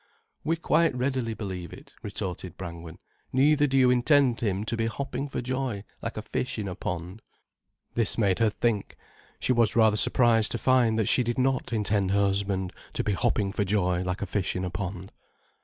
"We quite readily believe it," retorted Brangwen. "Neither do you intend him to be hopping for joy like a fish in a pond." This made her think. She was rather surprised to find that she did not intend her husband to be hopping for joy like a fish in a pond.